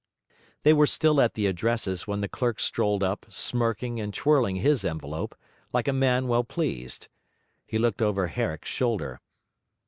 They were still at the addresses when the clerk strolled up, smirking and twirling his envelope, like a man well pleased. He looked over Herrick's shoulder.